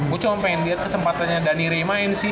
gue cuma pengen lihat kesempatannya daniri main sih